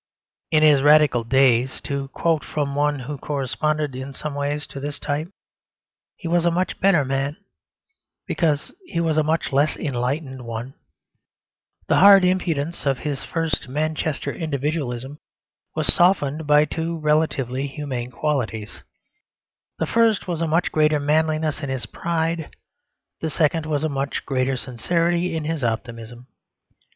In his Radical days (to quote from one who corresponded in some ways to this type) he was a much better man, because he was a much less enlightened one. The hard impudence of his first Manchester Individualism was softened by two relatively humane qualities; the first was a much greater manliness in his pride; the second was a much greater sincerity in his optimism.